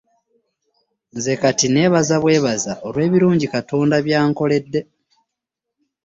Nze kaakati nneebaza bwebaza olw'ebirungi Katonda byankoledde.